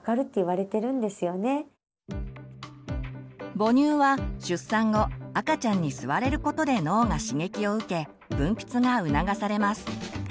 母乳は出産後赤ちゃんに吸われることで脳が刺激を受け分泌が促されます。